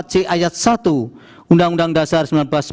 c ayat satu undang undang dasar seribu sembilan ratus empat puluh